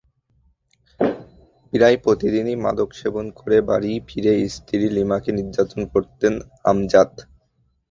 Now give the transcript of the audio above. প্রায় প্রতিদিনই মাদক সেবন করে বাড়ি ফিরে স্ত্রী লিমাকে নির্যাতন করতেন আমজাদ।